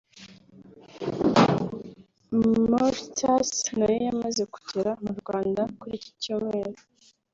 Mauritius na yo yamaze kugera mu Rwanda kuri iki Cyumweru